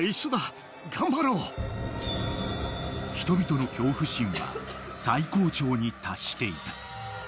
［人々の恐怖心は最高潮に達していた］